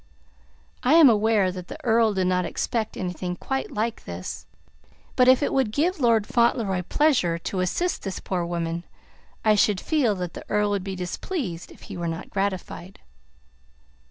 I am aware that the Earl did not expect anything quite like this; but if it would give Lord Fauntleroy pleasure to assist this poor woman, I should feel that the Earl would be displeased if he were not gratified."